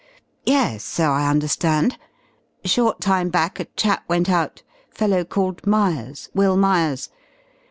"Yes, so I understand. Short time back a chap went out fellow called Myers Will Myers.